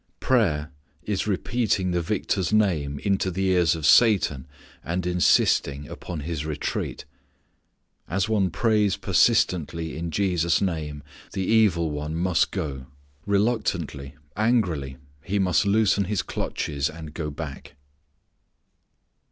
Prayer is repeating the Victor's name into the ears of Satan and insisting upon his retreat. As one prays persistently in Jesus' name, the evil one must go. Reluctantly, angrily, he must loosen his clutches, and go back.